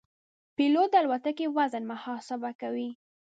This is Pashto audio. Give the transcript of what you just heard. پیلوټ د الوتکې وزن محاسبه کوي.